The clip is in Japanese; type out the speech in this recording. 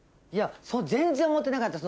全然思ってなかった。